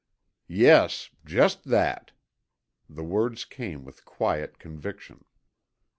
"Yes, just that." The words came with quiet conviction.